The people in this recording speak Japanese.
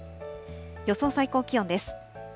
予想最高気温です。